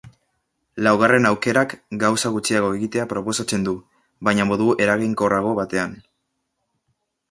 Laugarren aukerak gauza gutxiago egitea proposatzen du, baina modu eraginkorrago batean.